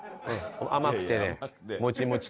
甘くてねもちもちで。